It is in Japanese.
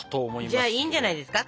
じゃあいいんじゃないですか？